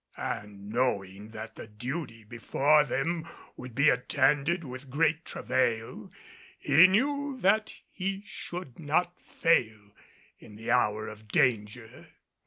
And knowing that the duty before them would be attended with great travail he knew that he should not fail in the hour of danger.